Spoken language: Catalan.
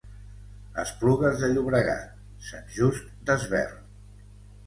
Esplugues de Llobregat, Sant Just Desvern.